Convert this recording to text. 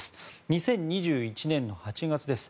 ２０２１年８月です。